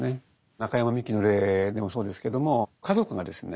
中山ミキの例でもそうですけども家族がですね